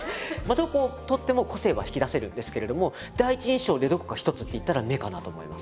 どこを取っても個性は引き出せるんですけれども第一印象でどこか一つっていったら目かなと思います。